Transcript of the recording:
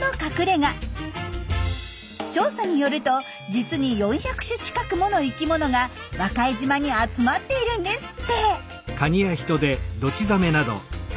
調査によると実に４００種近くもの生きものが和賀江島に集まっているんですって。